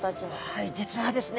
はい実はですね